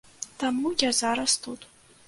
Таму я зараз тут.